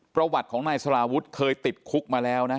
ประวัติของนายสลาวุฒิเคยติดคุกมาแล้วนะ